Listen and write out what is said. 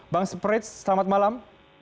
bang frits selamat malam